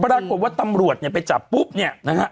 ปรากฏว่าตำรวจเนี่ยไปจับปุ๊บเนี่ยนะฮะ